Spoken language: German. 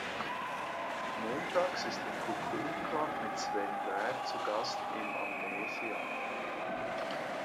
Montags ist der "Cocoon Club" mit Sven Väth zu Gast im Amnesia.